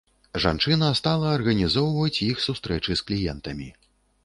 Жанчына стала арганізоўваць іх сустрэчы з кліентамі.